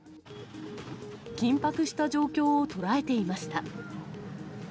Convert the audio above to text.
緊迫した状況を捉えていました。